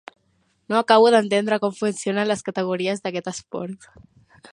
No acabo d'entendre com funcionen les categories d'aquest esport.